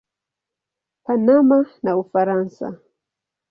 Panama na Ufaransa.